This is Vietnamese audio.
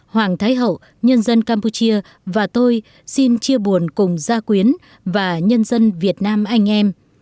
hoàng thái hậu nhân dân campuchia và tôi xin chia buồn cùng gia quyến và nhân dân việt nam anh em